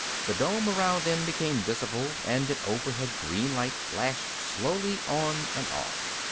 The dome around them became visible, and an overhead green light flashed slowly on and off.